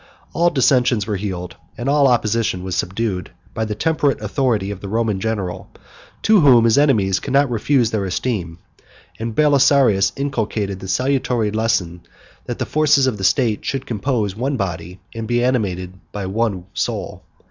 All dissensions were healed, and all opposition was subdued, by the temperate authority of the Roman general, to whom his enemies could not refuse their esteem; and Belisarius inculcated the salutary lesson that the forces of the state should compose one body, and be animated by one soul.